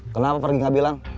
kenapa pergi gak bilang